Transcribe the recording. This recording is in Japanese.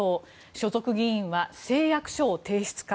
所属議員は誓約書を提出か。